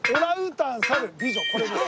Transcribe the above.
これです。